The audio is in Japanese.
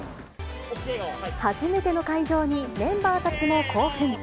初めての会場にメンバーたちも興奮。